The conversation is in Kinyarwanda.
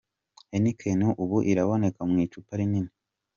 Heineken ubu iraboneka mu icupa rinini.